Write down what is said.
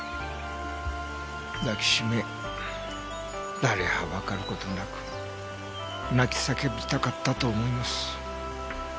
抱きしめ誰はばかる事なく泣き叫びたかったと思います。